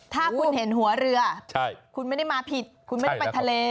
ถ้าคุณเห็นหัวเรือคุณไม่ได้มาผิดคุณไม่ได้ไปทะเล